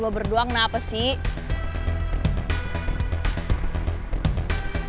lo berdua kenapa sih